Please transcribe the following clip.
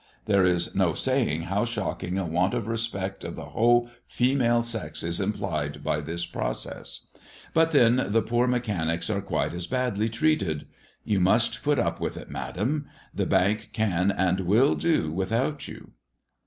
There is no saying how shocking a want of respect of the whole female sex is implied by this process! But then the poor mechanics are quite as badly treated. You must put up with it, Madame. The Bank can and will do without you.